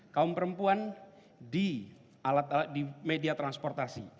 kaum perempuan di media transportasi